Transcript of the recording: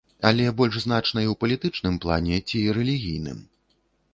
Але больш значнай у палітычным плане ці рэлігійным?